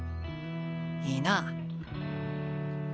いいな。